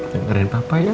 dengarkan papa ya